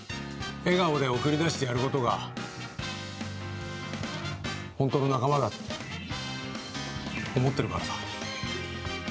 笑顔で送り出してやることが本当の仲間だと思ってるからさ。